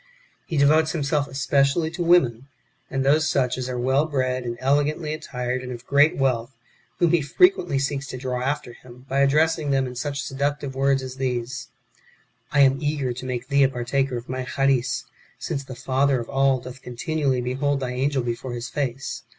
He devotes himself especially to women, and those such as are well bred, and elegantly attired, and of great wealth, whom he frequently seeks to draw after him, by addressing them in such seductive words as these :" I am eager to make thee a partaker of my Charis, since the Father of all doth continually behold thy angel before His face.